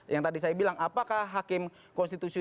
yang tadi saya bilang apakah hakim konstitusi